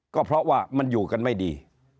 ก็เพราะว่ามันอยู่กันไม่ดี